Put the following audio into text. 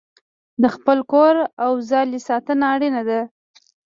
د خپل کور او ځالې ساتنه اړینه ده.